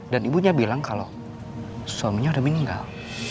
dan ibunya bilang kalau suaminya udah meninggal